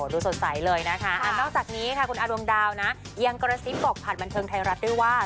ดูสดใสเลยนะคะนอกจากนี้ค่ะคุณอาดวงดาวนะยังกระซิบบอกผ่านบันเทิงไทยรัฐด้วยว่า